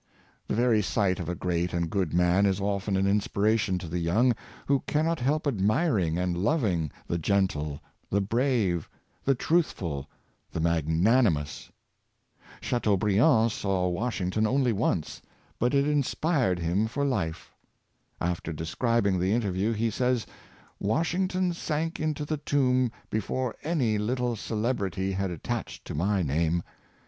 The very sight of a great and good man is often an inspiration to the young, who cannot help admiring and loving the gentle, the brave, the truthful, the magnani mous ! Chateaubriand saw Washington only once, but it inspired him for life. After describing the interview, he says: *' Washington sank into the tomb before any little celebrity had attached to my name.